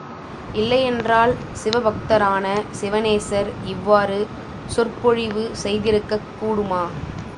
இல்லையென்றால், சிவபக்தரான சிவநேசர் இவ்வாறு சொற்பொழிவு செய்திருக்கக் கூடுமா?